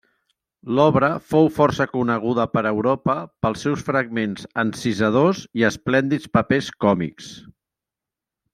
L'obra fou força coneguda per Europa pels seus fragments encisadors i esplèndids papers còmics.